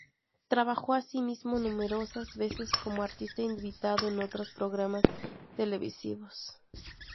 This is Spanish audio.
Trabajó, así mismo, numerosas veces como artista invitado en otros programas televisivos.